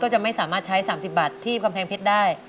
จะไม่สามารถใช้๓๐บาทที่กำแพงเพชรได้